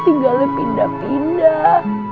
aku tinggalnya pindah pindah